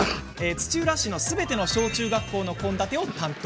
土浦市のすべての小中学校の献立を担当。